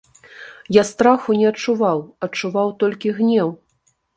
Я страху не адчуваў, адчуваў толькі гнеў.